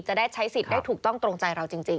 จะได้ใช้สิทธิ์ได้ถูกต้องตรงใจเราจริง